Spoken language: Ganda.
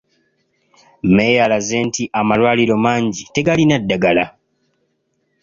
Meeya alaze nti amalwaliro mangi tegalina ddagala.